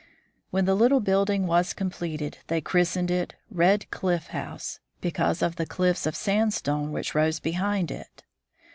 When the little building was completed, they christened it Red Cliff House, because of the cliffs of sand stone which rose behind it.